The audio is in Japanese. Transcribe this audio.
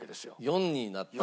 ４になった。